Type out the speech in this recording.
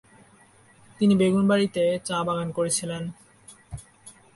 তিনি বেগুনবাড়ীতে চা বাগান করেছিলেন।